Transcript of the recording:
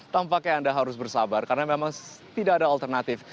tampaknya anda harus bersabar karena memang tidak ada alternatif